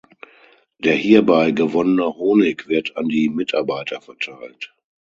Der hierbei gewonnene Honig wird an die Mitarbeiter verteilt.